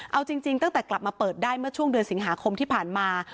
เอาจริงตั้งแต่กลับมาเปิดได้เมื่อช่วงเดือนสิงหาคมที่ผ่านมา